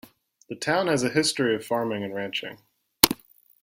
The town has a history of farming and ranching.